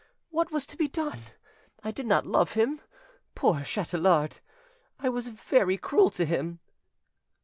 What was to be done? I did not love him. Poor Chatelard! I was very cruel to him."